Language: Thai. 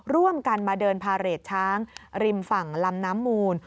ร่วมกันมาเดินพาเรทช้างริมฝั่งลำน้ำมูล